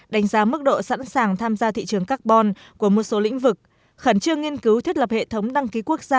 đánh giá mức độ sẵn sàng tham gia thị trường carbon của một số lĩnh vực khẩn trương nghiên cứu thiết lập hệ thống đăng ký quốc gia